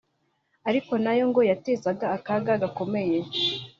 ariko na yo ngo yatezaga akaga gakomeye